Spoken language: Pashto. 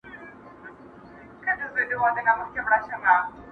ځواني مرګ دي سم چي نه به در جارېږم,